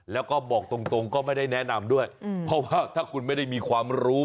แล้วก็บอกตรงก็ไม่ได้แนะนำด้วยเพราะว่าถ้าคุณไม่ได้มีความรู้